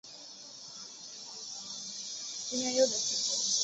石生茶藨子为虎耳草科茶藨子属下的一个种。